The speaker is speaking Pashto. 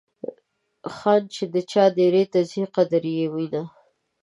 خان چې د چا دیرې ته ځي قدر یې وینه.